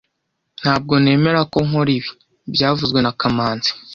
Ntabwo nemera ko nkora ibi byavuzwe na kamanzi